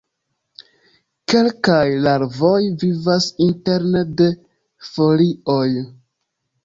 Kelkaj larvoj vivas interne de folioj.